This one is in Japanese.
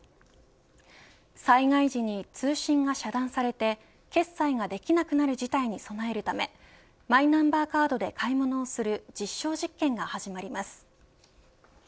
災害時に通信が遮断されて決済ができなくなる事態にそなえるためマイナンバーカードで買い物をする実証実験が始まります。